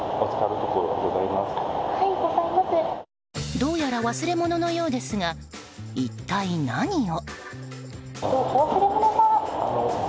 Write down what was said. どうやら忘れ物のようですが一体何を？